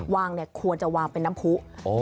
วางเนี่ยควรจะวางเป็นน้ำผู้